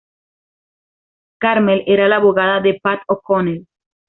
Carmel era la abogada de Pat O'Connell.